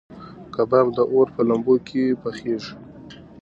کباب د اور په لمبو کې پخېږي.